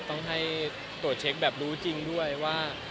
ต้องให้ตรวจเช็คแบบรู้จริงด้วยว่า